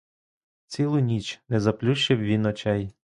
Цілу ніч не заплющив він очей.